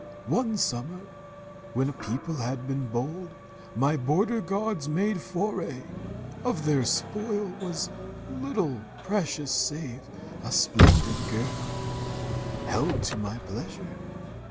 "One summer, when a people had been bold, My border guards made foray. Of their spoil Was little precious save a splendid girl, Held to my pleasure.